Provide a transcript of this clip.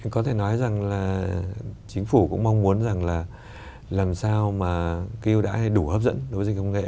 chính phủ cũng mong muốn rằng là làm sao mà cái ưu đãi này đủ hấp dẫn đối với doanh nghiệp khoa học công nghệ